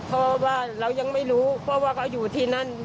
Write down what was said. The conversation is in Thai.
เพราะว่าเรายังไม่รู้เพราะว่าเขาอยู่ที่นั่น